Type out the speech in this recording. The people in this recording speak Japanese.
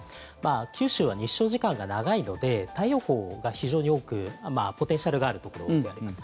九州は日照時間が長いので太陽光が非常に多くポテンシャルがあるところであります。